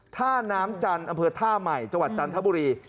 ท่าน้ำจันทร์อำเภอท่าใหม่จังหวัดจันทบุรี